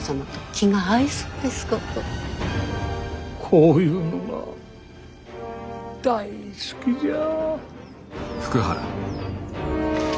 こういうのが大好きじゃ。